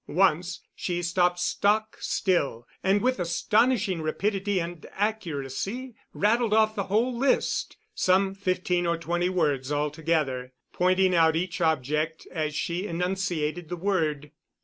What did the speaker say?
Once she stopped stock still, and with astonishing rapidity and accuracy rattled off the whole list some fifteen or twenty words altogether pointing out each object as she enunciated the word.